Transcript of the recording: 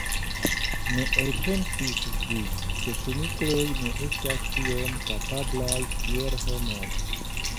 Ne elpensis ĝi, ke kunikloj ne estas tiom kapablaj kiel homoj.